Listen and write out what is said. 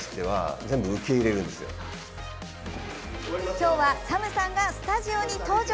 今日はＳＡＭさんがスタジオに登場！